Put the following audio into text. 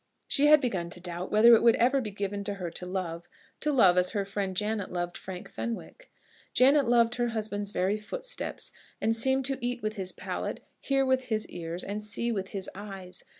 She had begun to doubt whether it would ever be given to her to love, to love as her friend Janet loved Frank Fenwick. Janet loved her husband's very footsteps, and seemed to eat with his palate, hear with his ears, and see with his eyes.